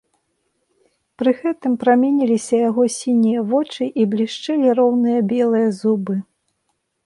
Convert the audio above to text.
Пры гэтым праменіліся яго сінія вочы і блішчэлі роўныя белыя зубы.